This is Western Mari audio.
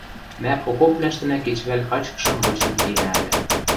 Мӓ окопвлӓштӹнӓ кечӹвӓл качкышым вычен киэнӓ ыльы.